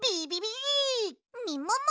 みもも